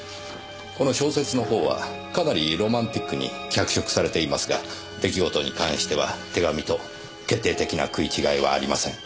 この小説の方はかなりロマンティックに脚色されていますが出来事に関しては手紙と決定的な食い違いはありません。